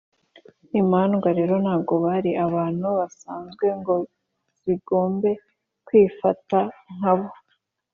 imandwa rero ntago bari abantu basanzwe ngo zigombe kwifata nkabo.